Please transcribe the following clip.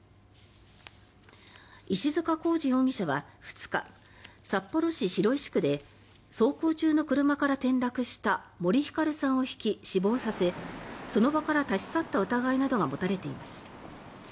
石塚孝司容疑者は２日札幌市白石区で走行中の車から転落した森ひかるさんをひき、死亡させその場から立ち去った疑いなどが持たれています。